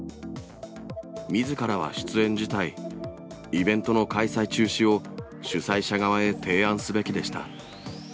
みずからは出演辞退、イベントの開催中止を、主催者側へ提案すべきでした。